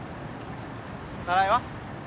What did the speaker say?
早苗は？